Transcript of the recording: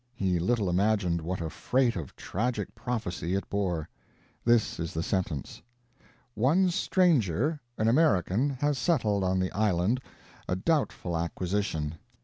He little imagined what a freight of tragic prophecy it bore! This is the sentence: One stranger, an American, has settled on the island a doubtful acquisition.